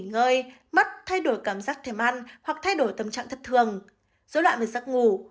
nghỉ ngơi mất thay đổi cảm giác thèm ăn hoặc thay đổi tâm trạng thất thường dối loạn về giấc ngủ